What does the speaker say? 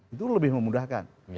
itu lebih memudahkan